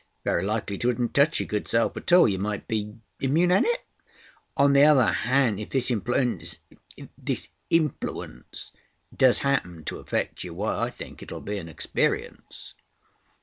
Very likely 'twouldn't touch your good self at all. You might be—immune, ain't it? On the other hand, if this influenza,—influence does happen to affect you, why, I think it will be an experience."